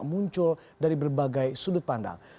muncul dari berbagai sudut pandang